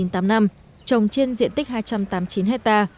trồng trên diện tích hai trăm tám mươi chín hectare